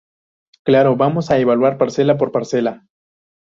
Claro vamos a evaluar parcela por parcela".